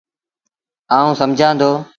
آئوٚݩ سمجھآݩ دو۔